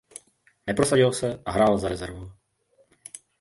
Neprosadil se a hrál za rezervu.